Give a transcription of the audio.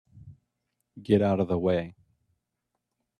Get out of the way!